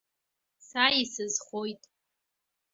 Са исызхоит.